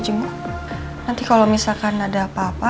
jemuk nanti kalau misalkan ada apa apa